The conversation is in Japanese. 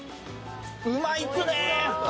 うまいっすね。